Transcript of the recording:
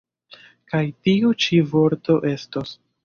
Kaj tiu ĉi vorto estos?